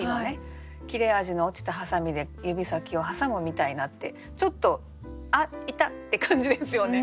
「切れ味の落ちたハサミで指先をはさむみたいな」ってちょっと「あっ痛っ！」って感じですよね